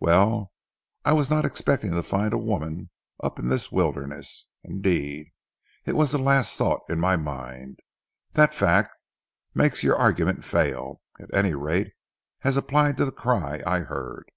"Well, I was not expecting to find a woman up in this wilderness; indeed, it was the last thought in my mind. That fact makes your argument fail, at any rate as applied to the cry I heard."